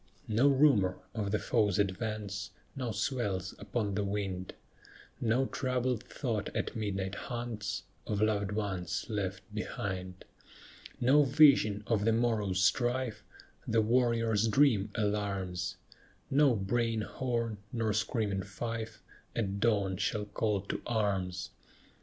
No rumor of the foe's advance Now swells upon the wind; No troubled thought at midnight haunts Of loved ones left behind; No vision of the morrow's strife The warrior's dream alarms; No braying horn nor screaming fife At dawn shall call to arms.